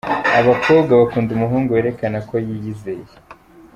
Abakobwa bakunda umuhungu werekana ko yiyizeye.